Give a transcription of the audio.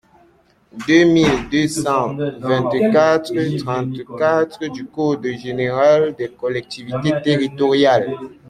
deux mille deux cent vingt-quatre-trente-quatre du code général des collectivités territoriales.